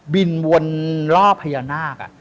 บินวนรอบพญานาค